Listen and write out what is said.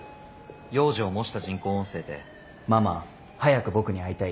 幼児を模した人工音声で「ママ早く僕に会いたい？